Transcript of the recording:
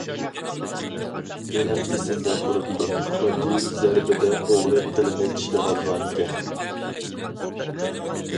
ئېنىق ئېسىمدە تۇرۇپتۇ، تۇنجى زەربىدە ئوغرى تىلىنى چىشلىۋالغانىكەن.